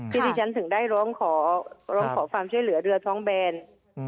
ที่ที่ฉันถึงได้ร้องขอร้องขอความช่วยเหลือเรือท้องแบน